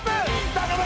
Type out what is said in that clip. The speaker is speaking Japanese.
頼む！